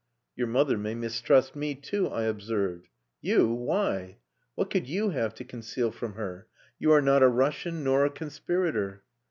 "Your mother may mistrust me too," I observed. "You! Why? What could you have to conceal from her? You are not a Russian nor a conspirator."